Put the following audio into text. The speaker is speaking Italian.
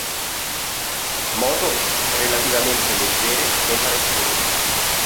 Moto relativamente leggere e maneggevoli.